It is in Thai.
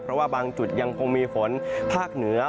เพราะว่าบางจุดยังคงมีฝนภาคเหนือ